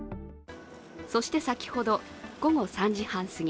そして先ほど午後３時半すぎ、